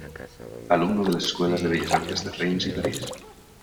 Alumno de las escuelas de Bellas Artes de Reims y París.